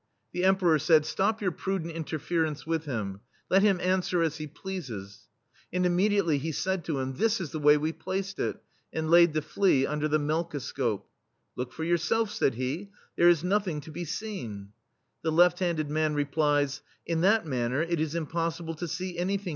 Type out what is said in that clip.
The Emperor said : "Stop your pru dent interference with him; let him answer as he pleases. And immediately he said to him : "This is the way we placed it, and laid the flea under the melkoscope. "Look for yourself, said he, "there is nothing to be seen. The left handed man replies: "In that manner it is impossible to see any thing.